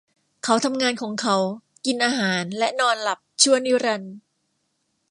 เขาทำงานของเขากินอาหารและนอนหลับชั่วนิรันดร์ !